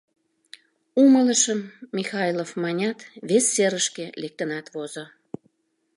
— Умылышым, — Михайлов манят, вес серышке лектынат возо.